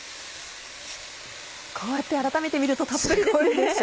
こうやって改めて見るとたっぷりですね。